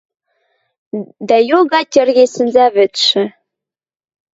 Дӓ йога тьырге сӹнзӓвӹдшӹ...